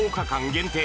限定